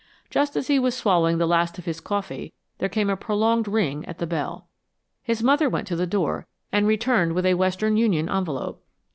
Just as he was swallowing the last of his coffee there came a prolonged ring at the bell. His mother went to the door, and returned with a Western Union envelope.